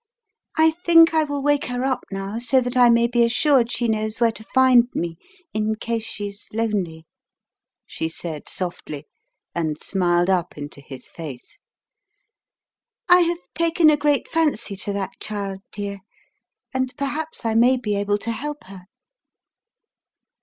"I think I will wake her up now, so that I may be assured she knows where to find me in case she is lonely," she said softly, and smiled up into his face. "I have taken a great fancy to that child, dear, and perhaps I may be able to help her."